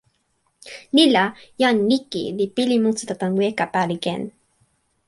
ni la, jan Niki li pilin monsuta tan weka pali ken.